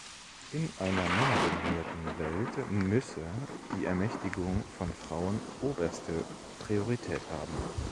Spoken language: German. In einer männerdominierten Welt müsse die Ermächtigung von Frauen oberste Priorität haben.